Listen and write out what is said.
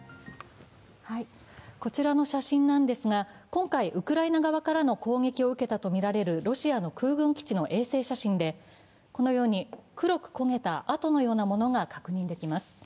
こちらの写真ですが、今回ウクライナ側からの攻撃を受けたとみられるロシアの空軍基地の衛星写真でこのように黒く焦げたあとのようなものが確認できます。